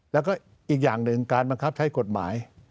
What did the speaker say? แล้วก็อีกอย่างหนึ่งการบังคับใช้กฎหมาย